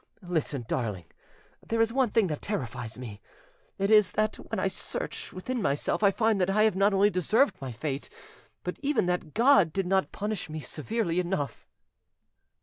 Listen, darling, there is one thing that terrifies me: it is, that when I search within myself I find that I have not only deserved my fate, but even that God did not punish me severely enough."